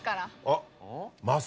あっ。